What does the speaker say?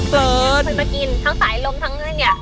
เคยมากินทั้งไตลมทั้งเงื่อนเนี่ย